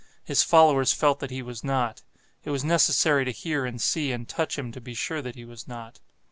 His followers felt that he was not. It was necessary to hear and see and touch him to be sure that he was not.